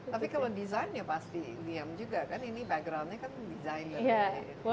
tapi kalau desainnya pasti diam juga kan ini background nya kan desainnya